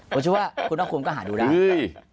โปรดชื่อว่าคุณนักควรก็หาดูได้